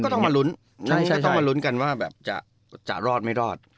ต้องมาลุ้นก็ต้องมาลุ้นกันว่าแบบจะรอดไม่รอด